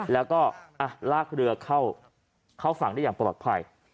แล้วก็ลากเรือเข้าฝั่งได้อย่างปลอดภัย